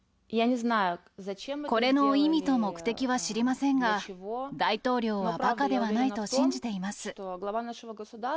これの意味と目的は知りませんが、大統領はばかではないと信じています。